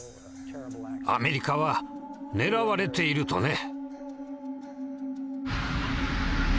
アメリカは狙われているとね。